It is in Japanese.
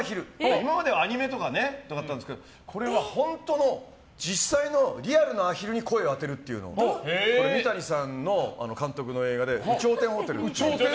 今まではアニメとかだったんですけどこれは本当の実際のリアルのアヒルに声を当てるっていうのを三谷監督の映画で「有頂天ホテル」っていう。